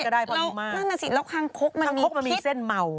แล้วข้างคกมันมีเส้นเมา